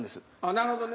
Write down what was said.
なるほどね。